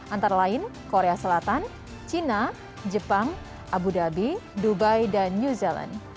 antara lain korea selatan cina jepang abu dhabi dubai dan new zealand